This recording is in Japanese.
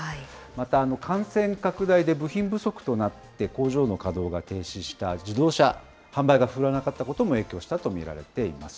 また感染拡大で部品不足となって、工場の稼働が停止した自動車、販売が振るわなかったことも影響したと見られています。